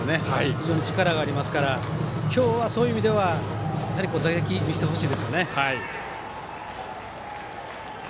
非常に力がありますから今日はそういう意味でも打撃、見せてほしいですよね。